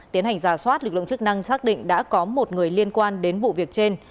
tiến hành giả soát lực lượng chức năng xác định đã có một người liên quan đến vụ việc trên